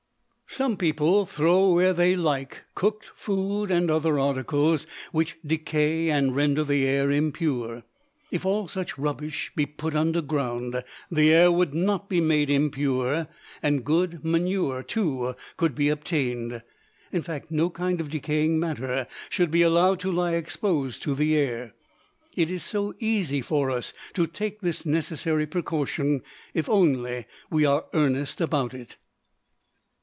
Some people throw where they like cooked food and other articles, which decay and render the air impure. If all such rubbish be put underground, the air would not be made impure, and good manure, too could be obtained. In fact, no kind of decaying matter should be allowed to lie exposed to the air. It is so easy for us to take this necessary precaution, if only we are in earnest about it.